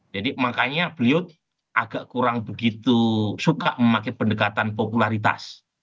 jadi makanya beliau agak kurang begitu suka memakai pendekatan popularitas